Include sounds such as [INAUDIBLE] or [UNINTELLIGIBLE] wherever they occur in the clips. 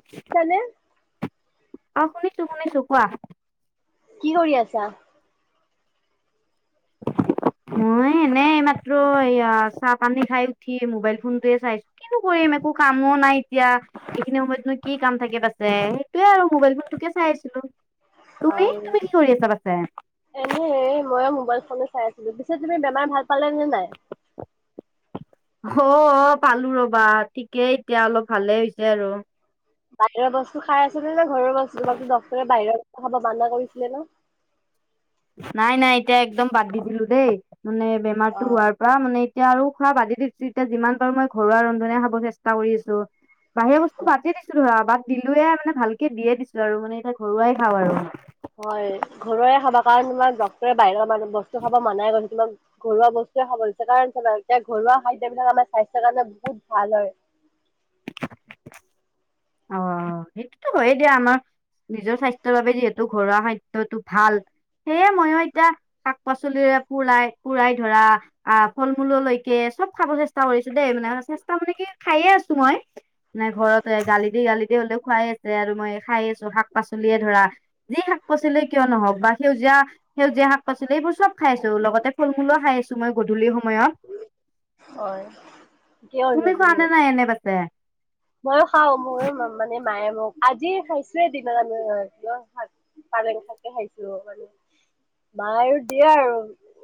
[UNINTELLIGIBLE] অ' শুনিছোঁ-শুনিছোঁ কোৱা? কি কৰি আছা? [INAUDIBLE] মই এনেই মাত্ৰ এইয়া চাহ পানী খাই উঠি মোবাইল ফোনটোয়ে চাইছো। কিনো কৰিম একো কামো নাই এতিয়া। এইখিনি সময়তনো কি কাম থাকে তাতে সেইটোয়ে আৰু মোবাইল ফোন তোকে চাই আছিলো। অ' তুমি-তুমি কি কৰি আছা পাছে? এনে মই মোবাইল ফোনে চাই আছিলো। পিছে তুমি বেমাৰ ভাল পালা নে নাই? অ', অ' পালো ৰবা ঠিকেই এতিয়া অলপ ভালে হৈছে আৰু। বাহিৰৰ বস্তু খাই আছিলি নে ঘৰৰ বস্তু তোমাকটো ডক্টৰে বাহিৰৰ বস্ত খাব মানা কৰিছিলে ন? নাই-নাই এতিয়া একদম বাদ দি দিলো দেই মানে বেমাৰটো অ' হোৱাৰ পৰা মানে এতিয়া আৰু খোৱা বাদেই দিছো, এতিয়া যিমান পাৰো মই ঘৰুৱা [UNINTELLIGIBLE] খাব চেষ্টা কৰি আছো। বাহিৰা বস্তু বাদেই দিছো ধৰা বাট দিলোয়ে আৰ মানে ভালকে দিয়ে দিছো আৰু মানে এতিয়া ঘৰুৱাই খাওঁ আৰু। হয় ঘৰুৱায়ে খাবা কাৰণ তোমাক ডক্টৰে বাহিৰৰ বস্তু খাবা মানাই কৰিছে তোমাক ঘৰুৱা বস্তুৱে খাব লয়ছে কাৰণ এতিয়া ঘৰুৱা খাদ্যবিলাক আমাৰ স্বাস্থ্যয় কাৰণে বহুত ভাল হয়। অ' সেইটোতো হয়েই দিয়া আমাক নিজৰ স্বাস্থ্যৰ বাবে যিহেতু ঘৰুৱা খাদ্যটো ভাল সেয়ে ময়ো এতিয়া শাক পাচলিৰে পুৰাই-পুৰাই ধৰা আ ফল মূললৈকে চব খাব চেষ্টা কৰিছো দেই মানে চেষ্টা মানে কি খাইয়ে আছো মই। নাই ঘৰতে গালি দি গালি দি হ'লেও খোৱাই আছে আৰু মই খাই আছো শাক পাচলিয়ে ধৰা যি শাক পাচলিয়ে কিয় নহওঁক বা সেউজীয়া সেউজীয়া শাক পাচলি এইবোৰ চব খাই আছো লগতে ফল মূলো খাই আছো। তোমাৰ গধূলি সময়ত, হয় ঠিকে তুমি খোৱা নে নাই এনেই বাচে। মইয়ো খাও ময়ো মানে মায়ে মোক আজি খাইছোয়ে দিনত [UNINTELLIGIBLE] পালেং শাকে খাইছো মানে মায়ৰো দিয়ে আৰু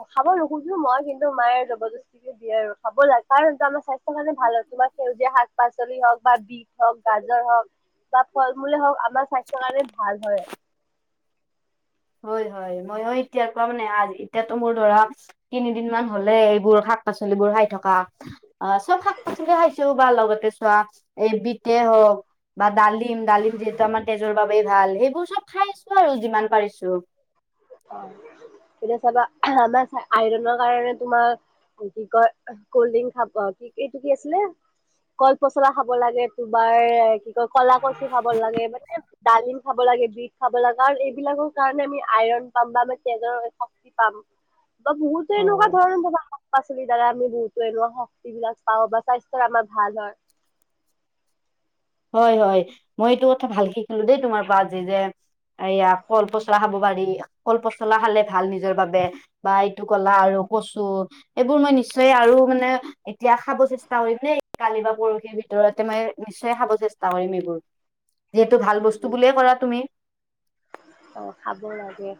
ৰখাব নোখোজো মই কিন্তু মায়ে জবৰজস্ত- চিকে দিয়ে আৰু খাব লাগে কাৰণ আমাৰ স্বাস্থ্য কাৰণে ভাল হয় তোমাৰ সেউজীয়া শাক পাচলি হওক, বা বিষ হওক গাজৰ হওক বা ফল-মূলে হওক আমাৰ স্বাস্থ্যৰ কাৰণে ভাল হয়। হয় হয় মই এতিয়া কোৱাৰ মানে আজ এতিয়াতো মোৰ ধৰা তিনিদিন মান হ'লে এইবোৰ শাক-পাচলিবোৰ খাই থকা। অ চব শাক-পাচলি খাইছো বা লগতে চোৱা এই বিতে হওক, বা ডালিম ডালিম যিহেতু আমাৰ তেজৰ বাবেই ভাল সেইবোৰ চব খাই আছো আৰু যিমান পাৰিছো। [UNINTELLIGIBLE] এতিয়া চাবা আমাৰ আইৰনৰ কাৰণে তোমাৰ কি কয় কল্ড ড্ৰিংক খাব কি এইটো কি আছিলে। কল-পচলা খাব লাগে তোমাৰ কি কয় কলা কচু খাব লাগে মানে। ডালিম খাব লাগে বিট খাব লাগে আৰু এইবিলাকৰ কাৰণে আমি আইৰণ পাম বা আমি তেজৰ শক্তি পাম। বা বহুতো এনেকুৱা অ ধৰণৰ বজা শাক-পাচলি দ্বাৰা আমি বহুত ত এনেকুৱা শক্তি বিলাক পাও বা স্বাস্থ্যৰ আমাৰ ভাল হয়। হয় হয় মই এইটো কথা ভালকে হলো দেই তোমাৰ পৰা যি যে এইয়া কল-পচলা খাব পাৰি কল-পচলা খালে ভাল নি- নিজৰ বাবে বা এইটো কলা আৰু কচো এইবোৰ মই নিশ্চয় আৰু মানে এতিয়া খাব চেষ্টা কৰিম দেই কালি বা পৰহি ভিতৰতে মই নিশ্চয় খাব। চেষ্টা কৰিম এইবোৰ যিহেতু ভাল বস্তু বুলিয়ে কৰা তুমি। অ খাব লাগে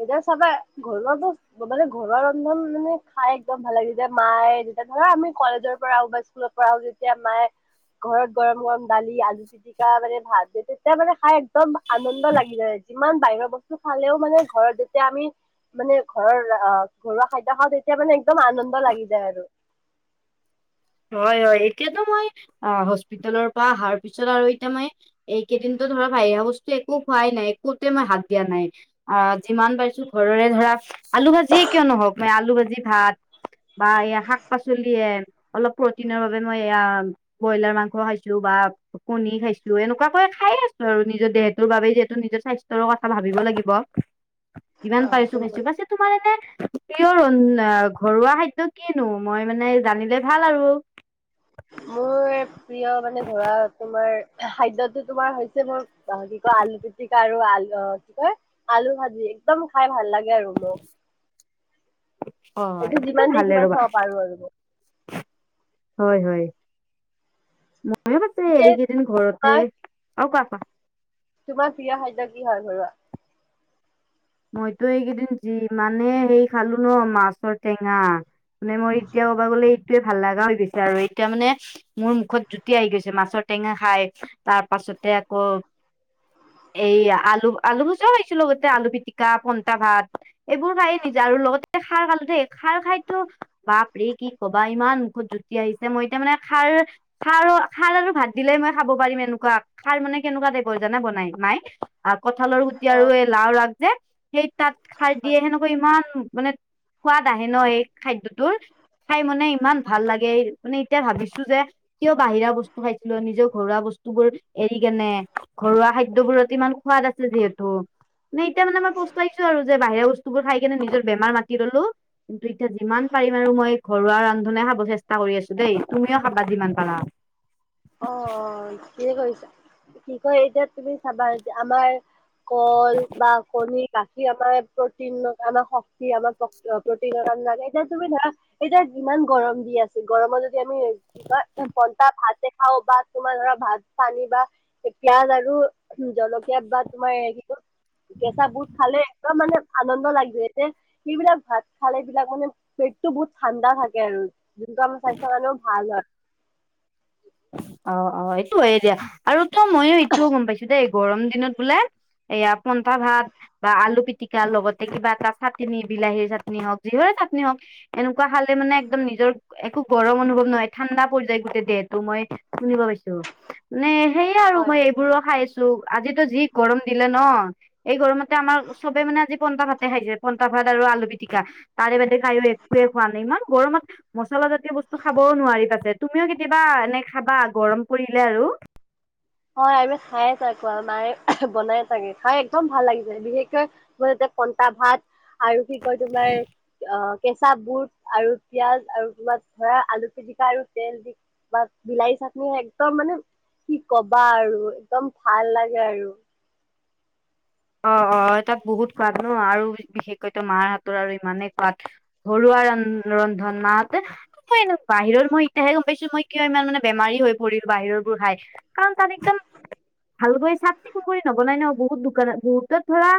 এতিয়া চাবা ঘৰুৱা বস্ত- ব বালে ঘৰুৱা ৰন্ধন মানে খাই একদম ভাল লাগে যেতিয়া মায়ে যেতিয়া ধৰা আমি কলেজৰ পৰা আহো বা স্কুলত পৰা আহো যেতিয়া মায়ে ঘৰত গৰম গৰম দালি আলু পিটিকা মানে ভাত যে তেতিয়া মানে খাই একদম আনন্দ লাগি যায় যিমান বাহিৰৰ বস্তু খালেও মানে ঘৰত যেতিয়া আমি মানে ঘৰৰ ঘৰুৱা খাদ্য খাওঁ তেতিয়া মানে একদম আনন্দ লাগি যায় আৰু। হয় হয় এতিয়াতো মই অ হস্পিতালৰ পৰা অহাৰ পিছত আৰু এতিয়া মই এইকেইদিনতো ধৰা ভাইৰা বস্তু একো খোৱাই নাই একোতে মই হাত দিয়া নাই। অ যিমান পাৰিছো ঘৰৰে ধৰা আলু ভাজিয়ে কিয় নহওক মান আলু ভাজি ভাত। বা এইয়া শাক পাচলিয়ে। অলপ প্ৰটিনৰ বাবে মই এয়া ব্ৰইলাৰ মাংস খাইছো বা কণী খাইছো এনেকুৱাকৈ খাই আছো আৰু নিজৰ দেহটোৰ বাব যিহেতু নিজৰ স্বাস্থ্যৰ কথা ভাবিব লাগিব। যিমান অ পাইছো বাইছো সেইটো বাছেত তোমাৰ এনে প্ৰিয় ৰ ঘৰুৱা খাদ্য কিনো মই মানে জানিলে ভাল আৰু মোৰ প্ৰিয় মানে ধৰা তোমাৰ খাদ্যটো তোমাৰ হৈছে মোৰ পাহৰি কয় আলু পিতিকা আৰু আলু কি কয় আলু ভাজি। একদম খাই ভাল লাগে আৰু মোক। অ এইটো এইটোতো যিমান দেই ভালে সিমান ৰ'বা খাব পাৰো আৰু মোক। হয় হয়। ভয়ে পাছে পিছে এইকেইদিন ঘৰতে তোমাৰ আৰু কোৱা কোৱা? তোমাৰ প্ৰিয় খাদ্য কি হয় ঘৰুৱা? মইতো এইকেইদিন যিমানে হেৰি খালো ন মাছৰ টেঙা। মানে মই এতিয়াও ক'বা গ'লে এইটোয়ে ভাল লগা হৈ গৈছে আৰু এতিয়া মানে মোৰ মুখত জুতি আহি গৈছে মাছৰ টেঙা খাই তাৰ পাছতে আকৌ এইয়া আলু আলু ভুজা খাইছিলোঁ গতে আলু পিটিক- কা পন্টা ভাত এইবোৰ খায়ে নিজা আৰু লগতে খাৰ খালো দেই খাৰ খাইতো বাপৰে কি কবা ইমান মুখত জুতি আহিছে মই এতিয়া মানে খাৰ খাৰৰ খাৰ আৰু ভাত দিলে মই খাব পাৰিম এনেকুৱা খাৰ মানে কেনেকুৱা টাইপৰ জানে বনাই মাই আহ কঁঠালৰ গুটি আৰু অ এই লাওৰ আগ যে সেই তাত খাৰ দিয়ে সেনেকৈ ইমান মানে সোৱাদ আহে ন এই খাদ্যটোৰ খাই মানে ইমান ভাল লাগে মানে এতিয়া ভাবিছো যে কিয় বাহিৰা বস্তু খাইছিলো নিজৰ ঘৰুৱা বস্তুবোৰ এৰি কেনে ঘৰুৱা খাদ্যবোৰত ইমান সোৱাদ আছে যিহেতু মানে এতিয়া মানে মই পস্তাইছো আৰু যে বাহিৰা বস্তুবোৰ খাই কেনে নিজৰ বেমাৰ মাতি ললো। কিন্তু এতিয়া যিমান পাৰিম আৰু মই ঘৰুৱা ৰান্ধনে খাব চেষ্টা কৰি আছো দেই তুমিও খাবা যিমান পাৰা অ কি কৰিছা কি কয় এতিয়া তুমি চাবা এতিয়া আমাৰ কল বা কনি গা যি আমাৰ প্ৰটিন আমাৰ শক্তি আমাৰ প্ৰটিনৰ কাৰনে এতিয়া তুমি ধৰা এতিয়া যিমান গৰম দি আছে গৰমত যদি আমি কি কয় পনতা ভাত খাও বা তোমাৰ ধৰা ভাত পানী বা পিয়াজ আৰু জলকীয়া বা তোমাৰ কি কয় কেঁচা বুট খালে একদম মানে আনন্দ লাগিব এতে সেইবিলাক ভাত খালে বিলাক মানে পেটতো বহুত ঠাণ্ডা থাকে আৰু যোনটো আমাৰ স্বাস্থ্য কাৰণেও ভাল হয় অ অ এইটো হয়ে দিয়া আৰু তো মইয়ো এইটোও গম পাইছো দেই গৰম দিনত বোলে এইয়া পনটা ভাত বা আলু পিটিকা লগতে কিবা এটা চাটনি বিলাহীৰ চাটনি হওক যিহৰে চাটনি হওক এনেকোৱা খালে মানে একদম নিজৰ একো গৰম অনুভৱ নহয় ঠাণ্ডা পৰি যায় গোটেই দেহত তো মই শুনিব পাইছো মানে সেয়ে আৰু হয় মই এইবোৰ খাইছো লো আজিতো যি গৰম দিলে ন এই গৰমতে আমাৰ চবে মানে আজি পনটা ভাতে খাইছে পনটা ভাত আৰু আলু পিটিকা তাৰে বাদে কায়ো একোৱে খোৱা নাই ইমান গৰমত মছলা জাতীয় বস্তু খাবও নোৱাৰি পাছে তুমিও কেতিয়া বা এনে খাবা গৰম পৰিলে আৰু হয় আমি খাইয়ে থাকো আৰু মায়ে বনাই থাকে খাই একদম ভাল লাগিছে বিশেষকৈ এতিয়া পনটা ভাত আৰু কি কয় তোমাৰ অ কেঁচা বুট আৰু পিয়াজ আৰু তোমাৰ ধৰা আলু পিটিকা আৰু তেল দি বা বিলাহী চাটনি একদম মানে কি কবা আৰু একদম ভাল লাগে আৰু অ অ তাত বহুত সোৱাদ ন আৰু বিশেষকৈতো মাৰ হাতৰ আৰু ইমানেই সোৱাদ ঘৰুৱা ৰ ৰন্ধন মাহঁতে মই এনে বাহিৰৰ মই এতিয়াহে গম পাইছো মই কিয় ইমান মানে বেমাৰী হৈ পৰিল বাহিৰৰ বোৰ খাই কাৰন তাত এতিয়া চাফ চিকুণ কৰি নবনাই ন বহুত দোকানত বহুতত ধৰা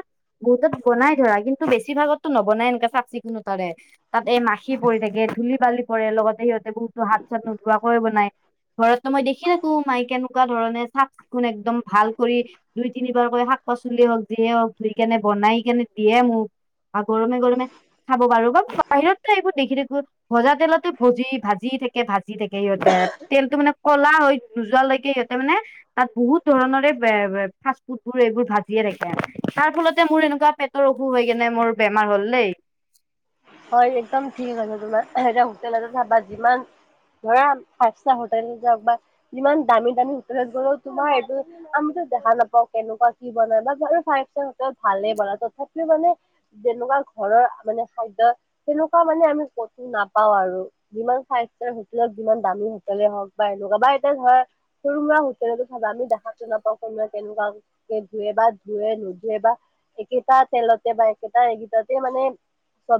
বহুতত বনাই ধৰা কিন্তু বেছি ভাগততো নবনাই এনেকা চাফ চিকুণতাৰে তাত এই মাখি পৰি থাকে ধূলি বালি পৰে লগতে সিহঁতে বহুতো হাত চাত নোধোৱাকৈ বনায় ঘৰততো মই দেখি থাকো মাই কেনেকোৱা ধৰণে চাফ চিকুণ একদম ভাল কৰি দুই তিনিবাৰকৈ শাক পাচলি হওক যিয়ে হওক ধুই কেনে বনাই কেনে দিয়ে মোক বা গৰমে গৰমে খাব পাৰো বা বাহিৰততো এইবোৰ দেখি থাকো ভজা তেলত টো ভজি ভাজি থাকে ভাজি থাকে সিহঁতে তেলটো মানে ক'লা হৈ নোযোৱালৈকে সিহঁতে মানে তাত বহুত ধৰণৰে বে বে ফাষ্ট ফুড বোৰ এইবোৰ ভা জিয়ে থাকে আৰু তাৰ ফলতে মোৰ এনেকোৱা পেটৰ অসুখ হৈ কেনে মোৰ বেমাৰ হ'ল দেই হয় একদম ঠিক আছে তোমাৰ এতিয়া হোটেলতে চাবা যিমান ধৰা ফাইভ ষ্টাৰ হোটেল যাওক বা যিমান দামী দামী হোটেলত গ'লেও তোমাৰ এইটো আমিতো দেখা নাপাও কেনেকোৱা কি বনাই বা বাৰু ফাইভ ষ্টাৰ হোটেলত ভালে বনায় তথাপিও মানে যেনেকোৱা ঘৰৰ মানে খাদ্য তেনেকোৱা মানে আমি কতো নাপাও আৰু যিমান ফাইভ ষ্টাৰ হোটেল হক যিমান দামী হোটলে হওক বা এনেকোৱা বা এতিয়া ধৰা সৰু সুৰা হোটেলতো চাবা আমি দেখাতো নাপাও কোনে কেনেকোৱা ধুৱে বা ধুৱে নোধুৱে বা একেটা তেলতে বা একেটা এইগেইটাতে মানে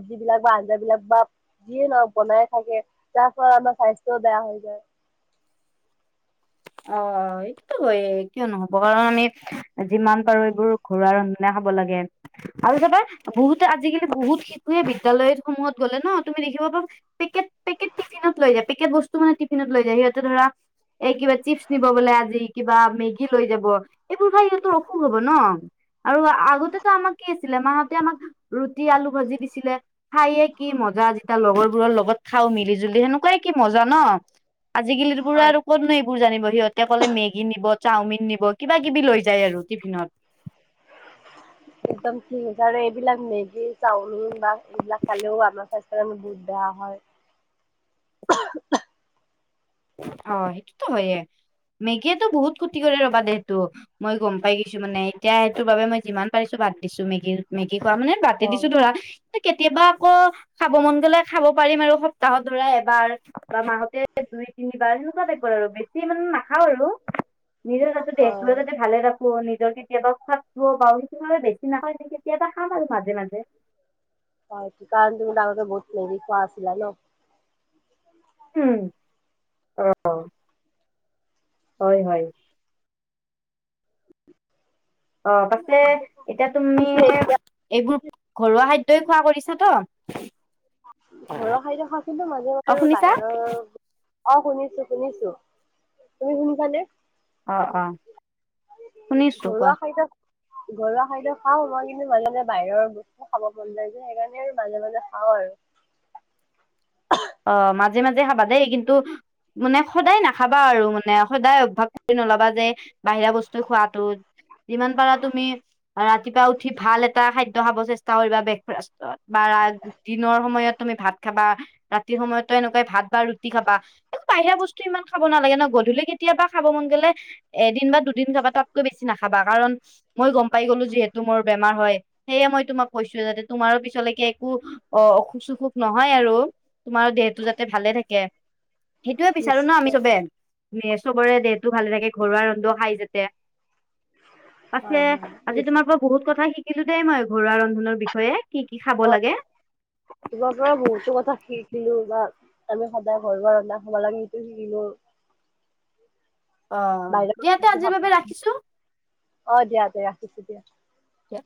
যিবিলাক বা আঞ্জা বিলাক বা যিয়ে নহক বনাই থাকে তাৰ ফলত আমাৰ স্বাস্থ্যও বেয়া হৈ যায় অ, এইটোতো হয়েই কিয় নহ'ব, কাৰণ আমি যিমান পাৰো এইবোৰ ঘৰুৱা ৰন্ধা খাব লাগে। আৰু চাবা বহুতে আজিকালি বহুত শিশুৱে বিদ্যালয় সমূহত গ'লে ন তুমি দেখিব পাবা পেকেট-পেকেট টিফিনত লৈ যায়। পেকেট বস্তু মানে টিফিনত লৈ যায়। সিহঁতে ধৰা এ কিবা চিপছ নিব বোলে আজি কিবা মেগী লৈ যাব। এইবোৰ খাই সিহঁতৰ অসুখ হ'ব ন। আৰু আগতেতো আমাক কি আছিলে মাহঁতে আমাক ৰুটি, আলু ভাজি দিছিলে। খাইয়ে কি মজা যেতিয়া লগৰবোৰৰ লগত খাওঁ মিলি জুলি সেনেকোৱাই কি মজা ন। আজিকালিতো পোৰা হয় আৰু ক'ত ন এইবোৰ জানিব, সিহঁতে অক'লে মেগী নিব, চাওমিন নিব, কিবা-কিবি লৈ যায় আৰু টিফিনত। একদম ঠিক আছে আৰু এইবিলাক মেগী, চাওমিন বা এইবিলাক খালেও আমাৰ স্বাস্থ্যৰ কাৰণে বহুত বেয়া হয়। হয়, সেইটোতো হয়য়ে। মেগীয়েতো বহুত ক্ষতি কৰে ৰবা দে সেইটো। মই গম পাই গৈছো মানে এতিয়া সেইটো বাবে মই যিমান পাৰিছো বাদ দিছো মেগী। মেগী খোৱা মানে বাদ হয় দিছোঁ ধৰা। কেতিয়াবা আকৌ খাব মন গ'লে, খাব পাৰিম আৰু সপ্তাহৰ ধৰা এবাৰ। বা মাহতে দুই তিনিবাৰ সেনেকুৱা টাই আৰু বেছি মানে নাখাওঁ আৰু নিজৰ তাতে হয় দেহটোও যাতে ভালে থাকো। ক নিজৰ কেতিয়াবা খাত খ বা সেই বেছি নাখায়, কেতিয়াবা খাম আৰু মাজে-মাজে। হয়। কি কাৰণে তুমি বোলে আগতে বহুত মেগী খোৱা আছিলে ন। উম' হয়-হয়। অ, পাছে এতিয়া তুমি পিছে এতিয়া এইবোৰ ঘৰুৱা খাদ্যই খোৱা কৰিছ ত। ঘৰুৱা খাদ্য খাইছিলোঁ, অ মাজে-মাজে বাৰু শুনিছা বাহিৰৰ অ, শুনিছো-শুনিছো। তুমি শুনিছানে? অ-অ। ঘৰুৱা খাদ্য, ঘৰুৱা খাদ্য খাওঁ মই কিন্তু মাজে-মাজে বাহিৰৰ এ খাব মন যায় যে, সেইকাৰণে আৰু মাজে- মাজে খাওঁ আৰু। অ অ, মাজে-মাজে খাবা দেই কিন্তু। মানে সদায় নাখাবা আৰু মানে সদায় অভ্যাস কৰি নলবা যে বাহিৰা বস্তু খোৱাতো যিমান পাৰা তুমি অ' ৰাতিপুৱা উঠি ভাল এটা খাদ্য খাব চেষ্টা কৰিবা। ব্ৰেকফাষ্টত বা ৰা দিনৰ সময়ত তুমি ভাত খাবা, ৰাতিৰ সময়তো এনেকুৱাই ভাত বা ৰুটি খাবা। বাহিৰা বস্তু ইমান খাব নালাগে ন, গধূলি কেতিয়াবা খাব মন গ'লে এদিন বা দুদিন খাবা। তাতকৈ বেছি নাখাবা কাৰণ মই গম পাই গ'লো যিহেতু মোৰ বেমাৰ হয়। সেইয়ে মই তোমাক কৈছোঁ যাতে তোমাৰো পিছলৈকে একো অ, অসুখ-চসুখ নহয় আৰু। তোমাৰ দেহটো যাতে ভালে থাকে। সেইটোয়ে বিচাৰো ন আমি নিশ্চয় চবে। উম' চবৰে দেহটো ভালে থাকে, ঘৰুৱা ৰন্ধা খাই যাতে। পাছে হয় হয় আজি তোমাৰ পৰা বহুত কথা শিকিলো দেই মই, ঘৰুৱা ৰন্ধনৰ বিষয়ে। কি-কি খাব হয় লাগে? তোমাৰ পৰা বহুতো কথা শিকিলো বা আমি সদায় ঘৰুৱা ৰন্ধা খাব লাগে সেইটো শিকিলোঁ। অ, দিয়া দে আজিৰ বাবে ৰাখিছোঁ। অ, দিয়া-দিয়া, ৰাখিছো দিয়া। কিয়?